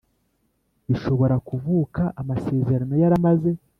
bishobora kuvuka amasezerano yaramaze